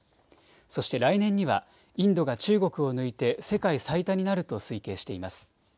そして来年にはインドが中国を抜いて世界最多になると推計しています。